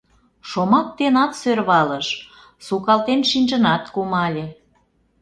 Шомак денат сӧрвалыш, сукалтен шинчынат кумале.